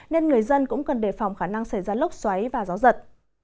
nên người dân cũng cần đề phòng khả năng xảy ra lốc xoáy và gió giật